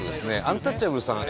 アンタッチャブルさん